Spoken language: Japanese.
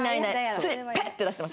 普通に「ペッ！！」って出してました。